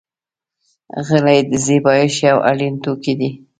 غلۍ د زېبایش یو اړین توکی دی.